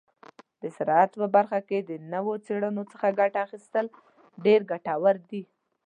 د زراعت په برخه کې د نوو څیړنو څخه ګټه اخیستل ډیر ګټور دي.